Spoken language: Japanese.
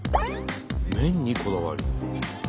麺にこだわる。